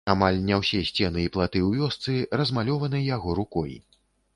Амаль не ўсе сцены і платы ў вёсцы размалёваны яго рукой.